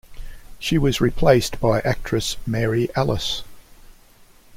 She was replaced by actress Mary Alice.